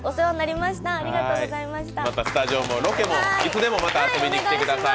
またスタジオもロケもいつでも遊びに来てください。